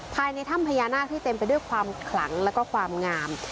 ภายในถ้ำพญานาคที่เต็มไปด้วยความขลังแล้วก็ความงาม